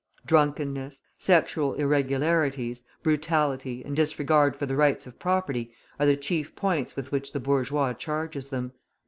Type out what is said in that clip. Drunkenness, sexual irregularities, brutality, and disregard for the rights of property are the chief points with which the bourgeois charges them.